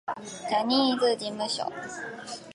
ジャニーズ事務所